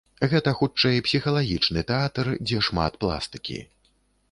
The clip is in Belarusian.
Гэта, хутчэй, псіхалагічны тэатр, дзе шмат пластыкі.